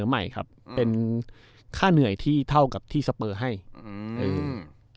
ไม่ครับเป็นค่าเหนื่อยที่เท่ากับที่สเปอร์ให้อืมเอออืม